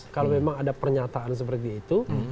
kalau memang ada pernyataan seperti itu